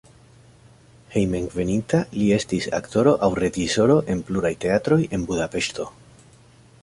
Hejmenveninta li estis aktoro aŭ reĝisoro en pluraj teatroj en Budapeŝto.